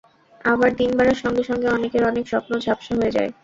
আবার দিন বাড়ার সঙ্গে সঙ্গে অনেকের অনেক স্বপ্ন ঝাপসা হয়ে যায়।